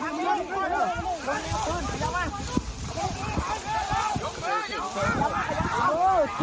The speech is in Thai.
หลบลุกล่าวลุกล่าวลุกล่าวลุกล่าวลุกล่าวลุกล่าว